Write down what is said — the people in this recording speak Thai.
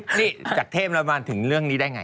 พี่จากเทมละมันถึงเรื่องนี้ได้ไง